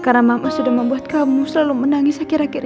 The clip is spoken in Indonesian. karena mama sudah membuat kamu selalu menangis akhir akhir ini